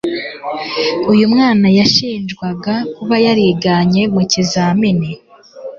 Uyu mwana yashinjwaga kuba yariganye mu kizamini.